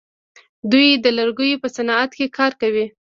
دوی د لرګیو په صنعت کې کار کوي.